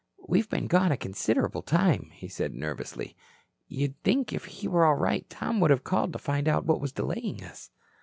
"We've been gone a considerable time," he said nervously. "You'd think if he were all right, Tom would have called to find out what is delaying us."